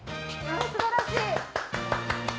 すばらしい！